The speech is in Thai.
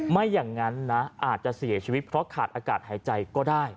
ไม่อย่างนั้นนะอาจจะเสียชีวิตเพราะขาดอากาศหายใจก็ได้